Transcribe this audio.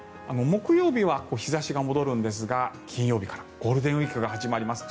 木曜日は日差しが戻るんですが金曜日からゴールデンウィークが始まります。